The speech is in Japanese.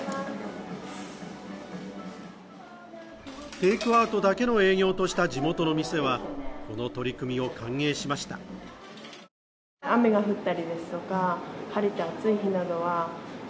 テイクアウトだけの営業とした地元の店はこの取り組みを歓迎しました。